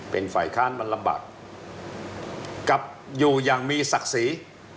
เป็นฝ่ายค้านมันลำบากกับอยู่อย่างมีศักดิ์ศรี